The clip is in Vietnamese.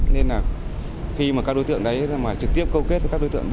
nên là khi mà các đối tượng đấy trực tiếp câu kết với các đối tượng bên ngoài